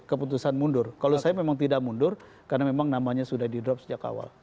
jadi keputusan mundur kalau saya memang tidak mundur karena memang namanya sudah di drop sejak awal